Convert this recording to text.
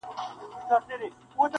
که هر څو مي درته ډېري زارۍ وکړې,